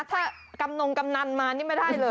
ถ้ากำนงกำนันมานี่ไม่ได้เลย